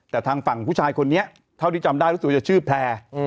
แต่ทางฝั่งผู้ชายคนนี้เท่าที่จำได้รู้สึกจะชื่อแพร่